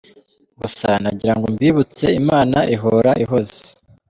gusa nagirango mbibutse Imana ihoora ihoze.